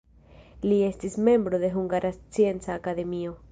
Li estis membro de Hungara Scienca Akademio.